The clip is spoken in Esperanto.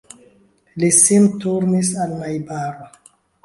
Li sin turnis al najbaro.